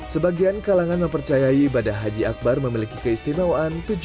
sebagian kalangan mempercayai ibadah haji akbar memiliki keistimewaan